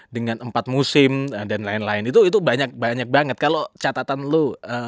dengan empat musim dan lain lain itu banyak banget kalo catatan lu